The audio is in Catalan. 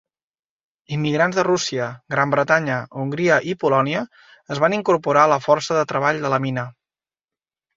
Immigrants de Rússia, Gran Bretanya, Hongria i Polònia es van incorporar a la força de treball de la mina.